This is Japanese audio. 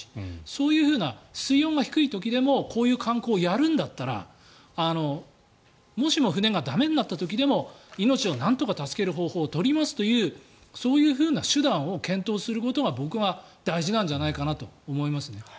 そういう水温が低い時でもこういう観光をやるんだったらもしも船が駄目になった時でも命を助ける方法をなんとか取りますというそういうふうな手段を検討することが僕は大事なんじゃないかなと思いますね。